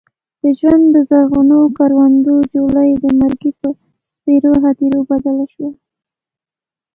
د ژوند د زرغونو کروندو جوله یې د مرګي په سپېرو هديرو بدله شوه.